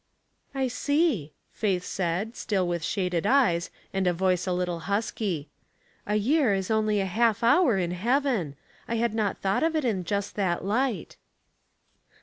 *"'' I see," Faith said, still with shaded eyes, and a voice a little husky. " A year is only a half hour in heaven. I had not thought of it in just that light."